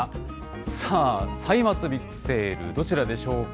さあ、歳末ビックセール、どちらでしょうか。